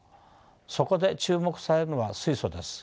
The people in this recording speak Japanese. そこで注目されるのは水素です。